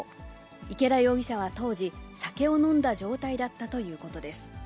池田容疑者は当時、酒を飲んだ状態だったということです。